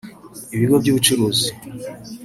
ibigo by’ubucuruzi